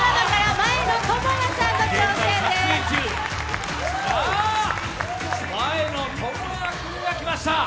前野朋哉君が来ました。